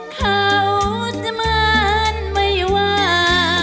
เขาจะมันไม่ว่า